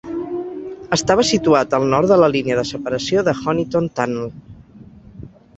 Estava situat al nord de la línia de separació de Honiton Tunnel.